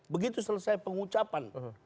begitu selesai pengucapan